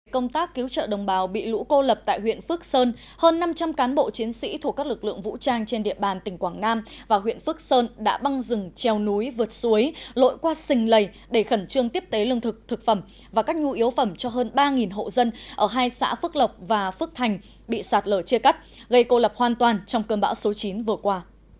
công tác cứu trợ đồng bào bị lũ cô lập tại huyện phước sơn hơn năm trăm linh cán bộ chiến sĩ thuộc các lực lượng vũ trang trên địa bàn tỉnh quảng nam và huyện phước sơn đã băng rừng treo núi vượt suối lội qua sình lầy để khẩn trương tiếp tế lương thực thực phẩm và các nhu yếu phẩm cho hơn ba hộ dân ở hai xã phước lộc và phước thành bị sạt lở chia cắt gây cô lập hoàn toàn trong cơn bão số chín vừa qua